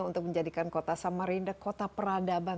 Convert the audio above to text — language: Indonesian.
untuk menjadikan kota samarinda kota peradaban